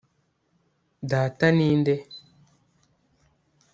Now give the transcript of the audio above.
data ni nde